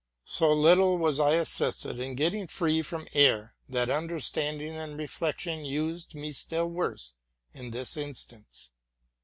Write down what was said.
So little was I assisted in getting free from error, that understanding and reflection used me still worse in this instance.